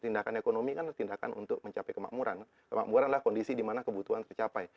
tindakan ekonomi kan tindakan untuk mencapai kemakmuran makmuran adalah kondisi dimana kebutuhan tercapai